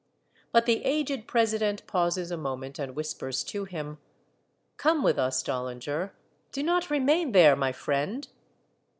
But the aged president pauses a moment, and whispers to him, —'* Come with us, Dollinger. Do not remain there, my friend